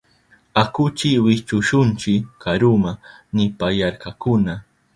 Akuychi wichushunchi karuma, nipayarkakuna.